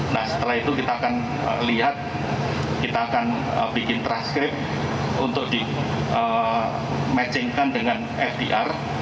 nah setelah itu kita akan lihat kita akan bikin transkrip untuk di matchingkan dengan fdr